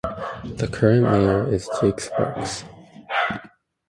The current mayor is Jake Sparks.